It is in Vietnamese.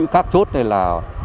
các chốt này là